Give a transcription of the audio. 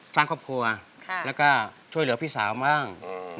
สร้างครอบครัวแล้วก็ช่วยเหลือพี่สาวบ้าง